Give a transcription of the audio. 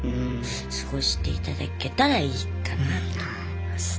過ごしていただけたらいいかなと思いますね。